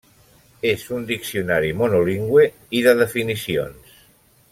És un diccionari monolingüe i de definicions.